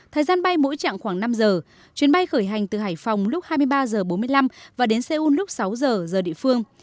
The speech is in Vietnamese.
thời gian bay mỗi chặng khoảng năm giờ chuyến bay khởi hành từ hải phòng lúc hai mươi ba h bốn mươi năm và đến seoul lúc sáu giờ giờ địa phương